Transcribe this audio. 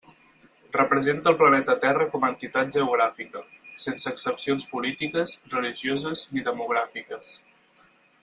Representa el planeta Terra com a entitat geogràfica, sense accepcions polítiques, religioses ni demogràfiques.